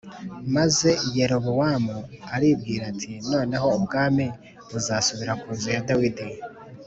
Maze Yerobowamu aribwira ati “Noneho ubwami buzasubira ku nzu ya Dawidi